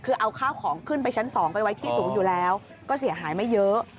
คือเอาข้าวของขึ้นไปชั้น๒ไปไว้ที่สูงอยู่แล้วก็เสียหายไม่เยอะ